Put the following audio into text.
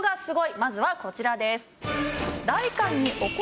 まずはこちらです。